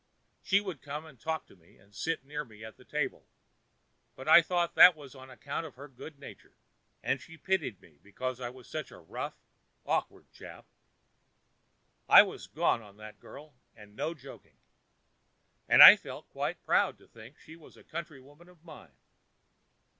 She would come and talk to me, and sit near me at table; but I thought that that was on account of her good nature, and she pitied me because I was such a rough, awkward chap. I was gone on that girl, and no joking; and I felt quite proud to think she was a countrywoman of mine.